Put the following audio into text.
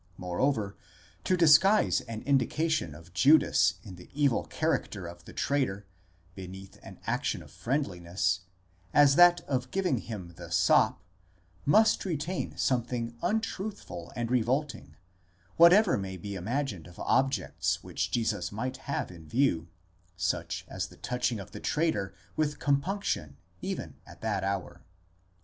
Moreover, to disguise an indication of Judas in the evil character of the traitor, beneath an action of friendliness, as that of giving him the sop, must retain something untruthful and revolting, whatever may be imagined of objects which Jesus might have in view, such as the touching of the traitor with compunction even at that hour.